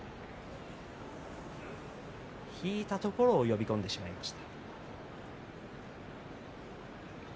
引いたところ呼び込んでしまいました。